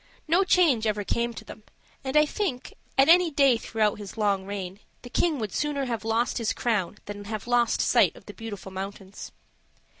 No change ever came to them; and I think, at any day throughout his long reign, the King would sooner have lost his crown than have lost sight of the Beautiful Mountains.